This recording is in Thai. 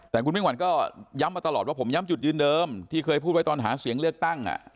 แต่คุณมิ่งขวัญก็ย้ำมาตลอดว่าผมย้ำจุดยืนเดิมที่เคยพูดไว้ตอนหาเสียงเลือกตั้ง